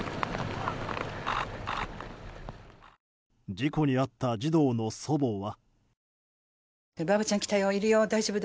事故に遭った児童の祖母は。